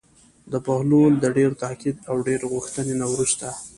د بهلول د ډېر تاکید او ډېرې غوښتنې نه وروسته.